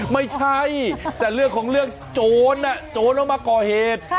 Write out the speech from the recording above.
ไม่ใช่แต่เรื่องของเรื่องโจรโจรต้องมาก่อเหตุ